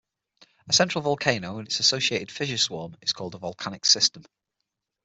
A central volcano and its associated fissure swarm is called a volcanic system.